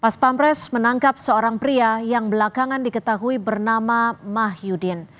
pas pampres menangkap seorang pria yang belakangan diketahui bernama mah yudin